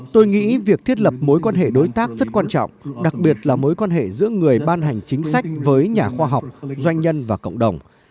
tôi nghĩ việc thiết lập mối quan hệ đối tác rất quan trọng đặc biệt là mối quan hệ giữa người ban hành chính sách với nhà khoa học doanh nhân và cộng đồng